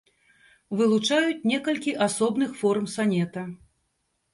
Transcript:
Вылучаюць некалькі асобных форм санета.